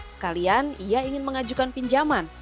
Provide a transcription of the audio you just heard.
sekalian ia ingin mengajukan pinjaman